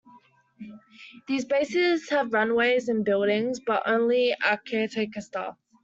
These bases have runways and buildings, but only a caretaker staff.